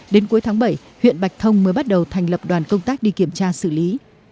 đến cuối tháng bảy huyện bạch thông mới bắt đầu thành lập đoàn công tác đi kiểm tra xử lý